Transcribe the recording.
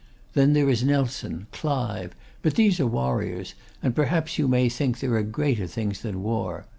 Then there is Nelson, Clive; but these are warriors, and perhaps you may think there are greater things than war.